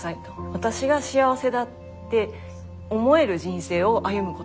私が幸せだって思える人生を歩むこと。